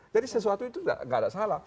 jadi sesuatu itu tidak ada salah